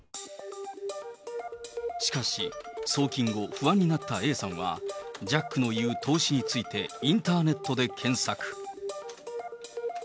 しかし、送金後、不安になったＡさんは、ジャックの言う投資について、インターネットで検索。